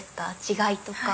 違いとか。